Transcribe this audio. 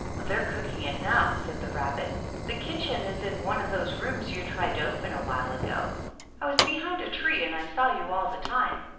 "They're cooking it now," said the Rabbit. " The kitchen is in one of those rooms you tried to open a while ago. I was behind a tree and I saw you all the time.